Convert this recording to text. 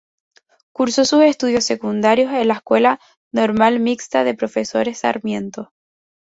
Cursó sus estudios secundarios en la escuela Normal Mixta de Profesores Sarmiento.